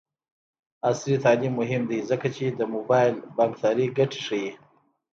عصري تعلیم مهم دی ځکه چې د موبايل بانکدارۍ ګټې ښيي.